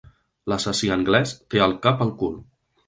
L'assassí anglès té el cap al cul.